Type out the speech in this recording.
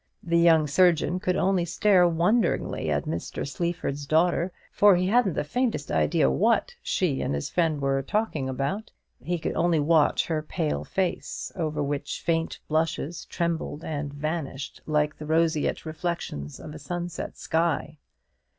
The young surgeon could only stare wonderingly at Mr. Sleaford's daughter, for he hadn't the faintest idea what she and his friend were talking about. He could only watch her pale face, over which faint blushes trembled and vanished like the roseate reflections of a sunset sky.